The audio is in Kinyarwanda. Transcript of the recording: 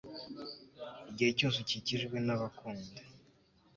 igihe cyose ukikijwe nabakunda